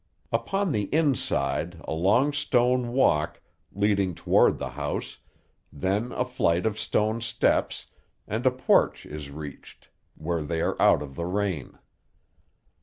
Upon the inside a long stone walk, leading toward the house, then a flight of stone steps, and a porch is reached, where they are out of the rain.